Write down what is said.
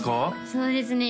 そうですね